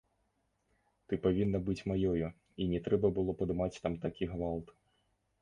Ты павінна быць маёю, і не трэба было падымаць там такі гвалт.